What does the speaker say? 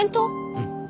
うん。